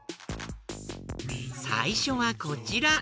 さいしょはこちら。